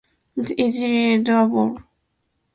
Is easily doable.